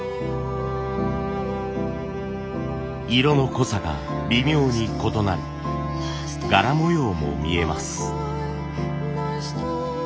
色の濃さが微妙に異なり柄模様も見えます。